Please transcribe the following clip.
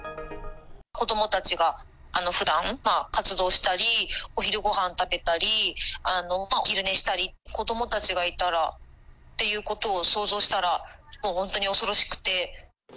子どもたちがふだん、活動したり、お昼ごはん食べたり、お昼寝したり、子どもたちがいたらっていうことを想像したら、本当に恐ろしくて。